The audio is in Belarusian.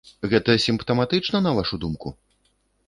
Гэта сімптаматычна, на вашу думку?